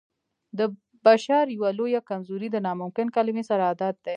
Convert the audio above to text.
د بشر يوه لويه کمزوري د ناممکن کلمې سره عادت دی.